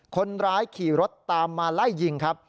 คนร้ายขี่รถตามมาไล่ยิงครับ